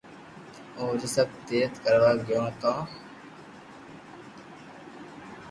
اووي سب تيرٿ ڪروا گيو تو